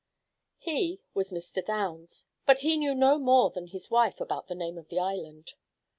"He" was Mr. Downs; but he knew no more than his wife about the name of the island.